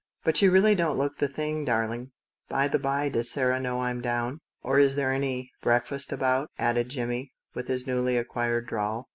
"But you really don't look the thing, darling. You really should see Danby. By the bye, does Sarah know I'm down ? or is there any breakfast about ?" added Jimmie, with his newly acquired drawl.